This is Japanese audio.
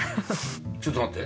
ちょっと待って。